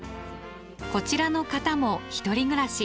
こちらの方も独り暮らし。